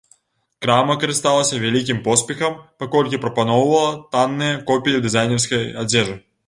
Крама карысталася вялікім поспехам, паколькі прапаноўвала танныя копіі дызайнерскай адзежы.